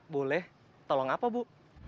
boleh tolong apa bu